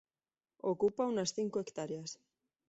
Ocupa unas cinco hectáreas.